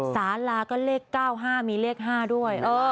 สาลาก็เลข๙๕มีเลข๕ด้วย